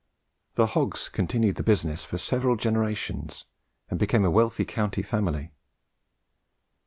The Hogges continued the business for several generations, and became a wealthy county family.